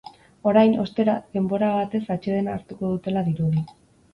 Orain, ostera, denbora batez atsedena hartuko dutela dirudi.